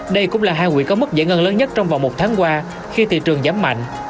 đây cũng là hai quỹ có mức giải ngân lớn nhất trong vòng một tháng qua khi thị trường giảm mạnh